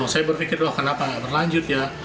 saya berpikir wah kenapa nggak berlanjut ya